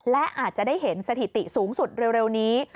และอาจจะได้เห็นสถิติสูงสุดเร็วนี้